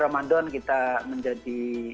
ramadan kita menjadi